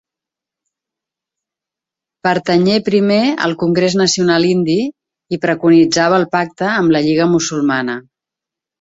Pertanyé primer al Congrés Nacional Indi i preconitzava el pacte amb la Lliga Musulmana.